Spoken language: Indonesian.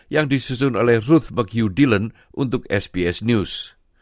yang disusun oleh ruth mchugh dillon untuk sbs news